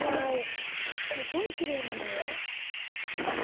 すごいきれいなのよ。